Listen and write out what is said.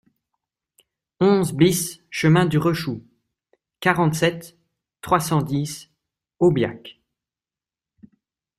onze BIS chemin du Rechou, quarante-sept, trois cent dix, Aubiac